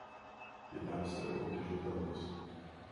Jedná se o udržitelnost.